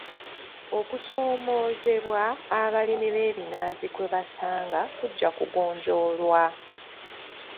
Okusoomoozebwa abalimi b'ebinazi kwe basanga kujja kugonjoolwa.